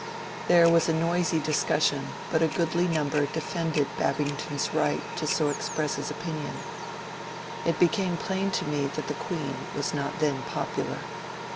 There was a noisy discussion, but a goodly number defended Babington's right to so ex press his opinion. It became plain to me that the Queen was not then popular.